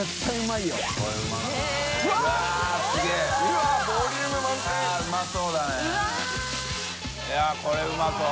いやこれうまそう。